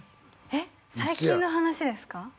えっ最近の話ですか？